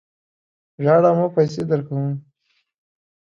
ژاړه مه ! پیسې درکوم.